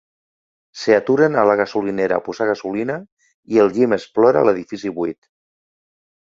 S'aturen a la gasolinera a posar gasolina i el Jim explora l'edifici buit.